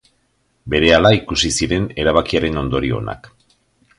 Berehala ikusi ziren erabakiaren ondorio onak.